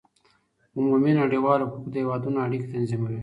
عمومي نړيوال حقوق د هېوادونو اړيکې تنظيموي.